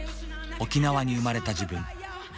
沖縄に生まれた自分。